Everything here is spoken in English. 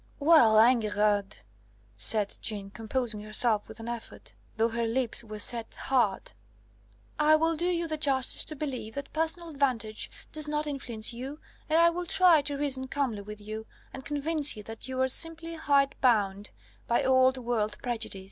"Well, Enguerrand," said Jeanne, composing herself with an effort, though her lips were set hard, "I will do you the justice to believe that personal advantage does not influence you, and I will try to reason calmly with you, and convince you that you are simply hide bound by old world prejudice.